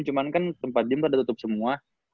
cuman kan tempat gym udah tutup semua